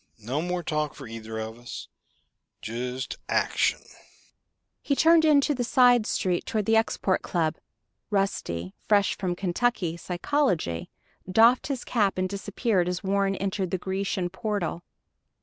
No more talk for either of us. Just action." He turned into the side street toward the Export Club. Rusty fresh from Kentucky psychology doffed his cap and disappeared as Warren entered the Grecian portal.